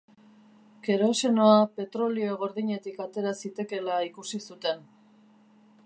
Kerosenoa petrolio gordinetik atera zitekeela ikusi zuten.